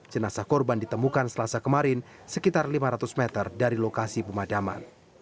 jenazah korban ditemukan selasa kemarin sekitar lima ratus meter dari lokasi pemadaman